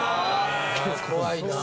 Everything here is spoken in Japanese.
怖いな。